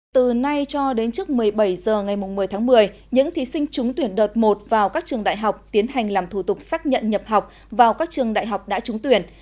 từ nay cho đến trước một mươi bảy h ngày một mươi tháng một mươi những thí sinh trúng tuyển đợt một vào các trường đại học tiến hành làm thủ tục xác nhận nhập học vào các trường đại học đã trúng tuyển